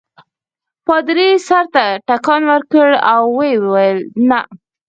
پادري سر ته ټکان ورکړ او ویې ویل نه.